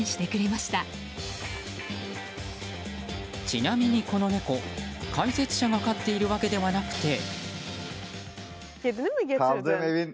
ちなみにこの猫、解説者が飼っているわけではなくて。